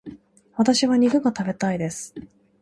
私は肉が食べたいです。